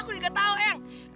aku juga tahu eang